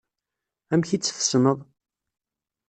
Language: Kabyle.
Amek i tt-tessneḍ?